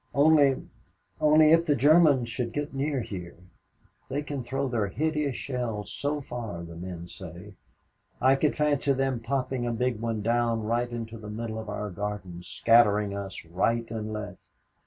Only only if the Germans should get near here they can throw their hideous shells so far, the men say I could fancy them popping a big one down right into the middle of our garden, scattering us right and left.